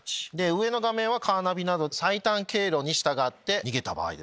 上の画面はカーナビなど最短経路に従って逃げた場合。